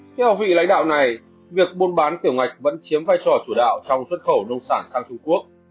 theo vị lãnh đạo này việc buôn bán tiểu ngạch vẫn chiếm vai trò chủ đạo trong xuất khẩu nông sản sang trung quốc